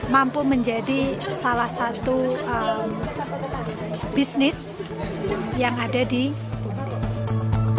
mampu menjadi salah satu bisnis yang ada di bumi